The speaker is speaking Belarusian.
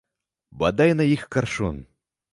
Бадай на іх каршун!